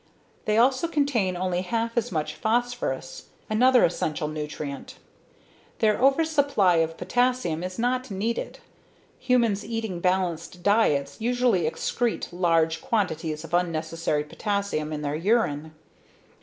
They also contain only half as much phosphorus, another essential nutrient. Their oversupply of potassium is not needed; humans eating balanced diets usually excrete large quantities of unnecessary potassium in their urine.